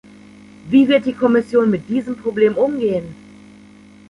Wie wird die Kommission mit diesem Problem umgehen?